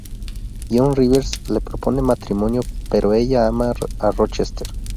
John Rivers le propone matrimonio, pero ella ama a Rochester.